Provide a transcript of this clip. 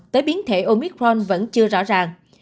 cái biến thể omicron vẫn chưa rõ ràng